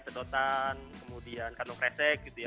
sedotan kemudian kantong kresek gitu ya